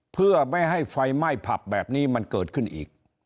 เพื่อไม่ให้ไฟไหม้ผับแบบนี้มันเกิดขึ้นอีก